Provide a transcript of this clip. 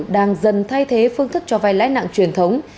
đang dần thay thế phương thức cho vay lãi nặng truyền thống